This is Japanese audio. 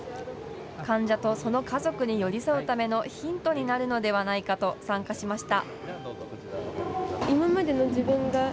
患者とその家族に寄り添うためのヒントになるのではないかと参加しました。